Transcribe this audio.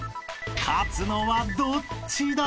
勝つのはどっちだ？］